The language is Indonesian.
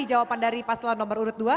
jawaban dari paslon nomor urut dua